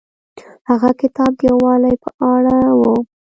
هغه کتاب د یووالي په اړه و.